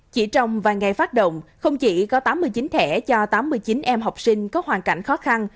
chỉ trong vài ngày phát động không chỉ có tám mươi chín thẻ cho tám mươi chín em học sinh có hoàn cảnh khó khăn